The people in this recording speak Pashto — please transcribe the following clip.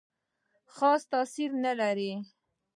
خاص تاثیر نه لري.